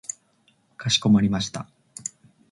かしこまりました。